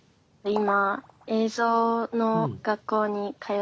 今。